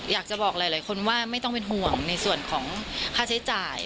อยากจะบอกหลายคนว่าไม่ต้องเป็นห่วงในส่วนของค่าใช้จ่าย